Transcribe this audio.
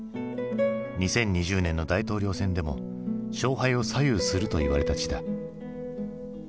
２０２０年の大統領選でも勝敗を左右するといわれた地だ。